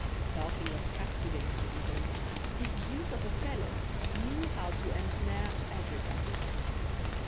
Talking of captivating, though, this deuce of a fellow knew how to ensnare everybody.